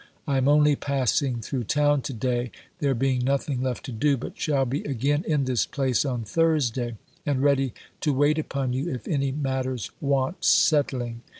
I am only passing through town to day, there being nothing left to do; but shall be again in this place on Thursday, and ready to wait upon you if any matters want settling.